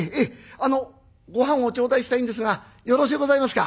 あのごはんを頂戴したいんですがよろしゅうございますか。